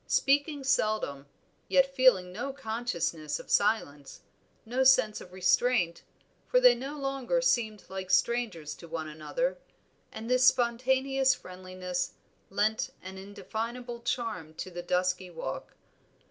Speaking seldom, yet feeling no consciousness of silence, no sense of restraint, for they no longer seemed like strangers to one another, and this spontaneous friendliness lent an indefinable charm to the dusky walk.